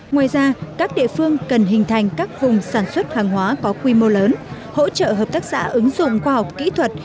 ngoài ra các địa phương cần hình thành các vùng sản xuất hàng hóa có quy mô lớn hỗ trợ hợp tác xã ứng dụng khoa học kỹ thuật